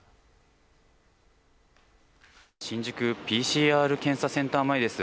新宿ＰＣＲ検査センター前です。